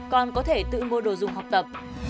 con có thể tự mua đồ dùng học tập